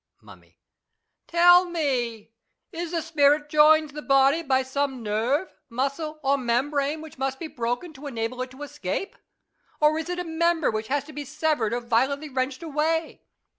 Mu7nmy. Tell me : is the spirit joined to the body by some nerve, muscle, or membrane which must be broken to enable it to escape ? Or is it a member which has to be severed or violently wrenched away